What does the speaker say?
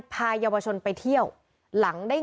เมื่อวานแบงค์อยู่ไหนเมื่อวาน